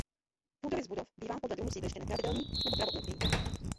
Půdorys budov bývá podle druhu sídliště nepravidelný nebo pravoúhlý.